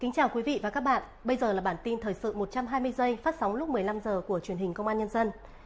chào mừng quý vị đến với bản tin thời sự một trăm hai mươi giây phát sóng lúc một mươi năm h của truyền hình công an nhân dân